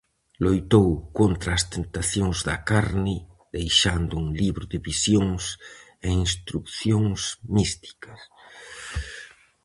Loitou contra as tentacións da carne deixando un libro de visións e instrucións místicas.